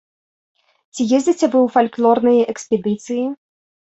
Ці ездзіце вы ў фальклорныя экспедыцыі?